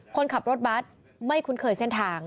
คนขับรถบัตรไม่คุ้นเคยเส้นทาง